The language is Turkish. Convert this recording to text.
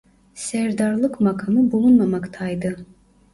Serdarlık makamı bulunmamaktaydı.